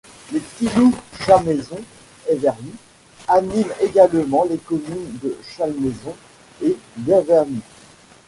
Les P'tits Loups Chalmaison Everly, animent également les communes de Chalmaison et d'Everly.